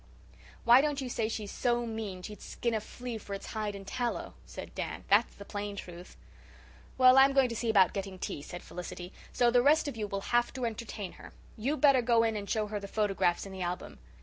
"Why don't you say she's so mean she'd skin a flea for its hide and tallow?" said Dan. "That's the plain truth." "Well, I'm going to see about getting tea," said Felicity, "so the rest of you will have to entertain her. You better go in and show her the photographs in the album.